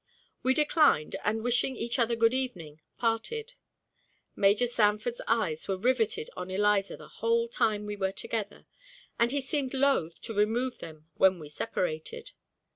We declined, and wishing each other good evening, parted. Major Sanford's eyes were riveted on Eliza the whole time we were together, and he seemed loath to remove them when we separated.